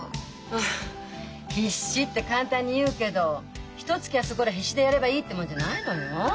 はあ「必死」って簡単に言うけどひとつきやそこら必死でやればいいってもんじゃないのよ。